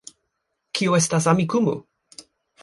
Kio estas Amikumu